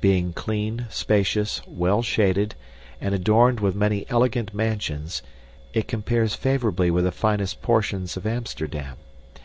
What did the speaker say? Being clean, spacious, well shaded, and adorned with many elegant mansions, it compares favorably with the finery portions of Amsterdam.